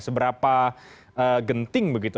seberapa genting begitu